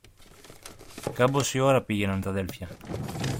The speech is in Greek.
Κάμποση ώρα πήγαιναν τ' αδέλφια.